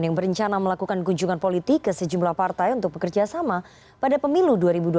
yang berencana melakukan kunjungan politik ke sejumlah partai untuk bekerja sama pada pemilu dua ribu dua puluh